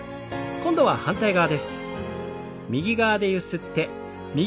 今度は反対側です。